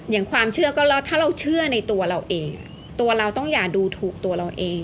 อย่างความเชื่อก็แล้วถ้าเราเชื่อในตัวเราเองตัวเราต้องอย่าดูถูกตัวเราเอง